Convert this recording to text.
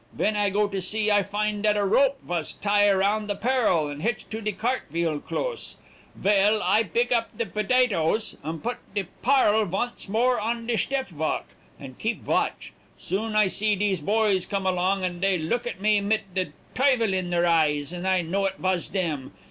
Ven I go to see, I find dat a rope vas tie round the parrel, and hitch to de cart veel close; vell, I bick up de botatoes, and put de parrel vonce more on de shtep valk, and keep vatch. Soon I see dese boys come along, and dey look at me mit de tuyvel in deir eyes, and I know it vas dem.